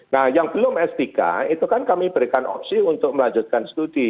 nah yang belum s tiga itu kan kami berikan opsi untuk melanjutkan studi